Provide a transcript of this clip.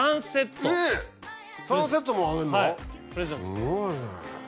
すごいね。